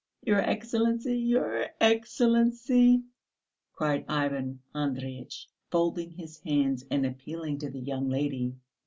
Your Excellency! Your Excellency!" cried Ivan Andreyitch, folding his hands and appealing to the young lady.